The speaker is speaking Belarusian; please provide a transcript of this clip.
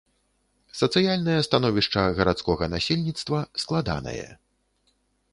Сацыяльная становішча гарадскога насельніцтва складанае.